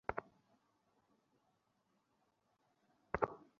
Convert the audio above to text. খালিদের আরেকটি কথা আজ ভীষণভাবে মনে পড়ে।